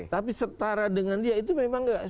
tapi setara dengan dia itu memang tidak